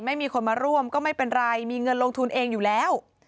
ไม่มีคนมาร่วมก็ไม่เป็นไรมีเงินลงทุนเองอยู่แล้ว